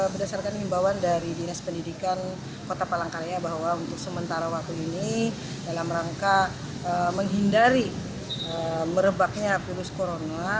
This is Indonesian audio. berdasarkan himbawan dari dinas pendidikan kota palangkaraya bahwa untuk sementara waktu ini dalam rangka menghindari merebaknya virus corona